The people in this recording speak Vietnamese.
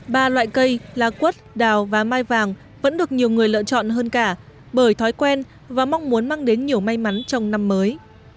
ba loại cây là quất đào và mai vàng vẫn được nhiều người lựa chọn hơn cả bởi thói quen và mong muốn mang đến nhiều may mắn trong năm mới